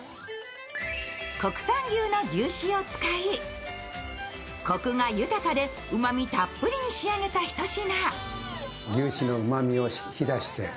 国産牛の牛脂を使い、こくが豊かで、うまみたっぷりに仕上げた一品。